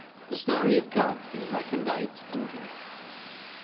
The story of God is recondite and deep.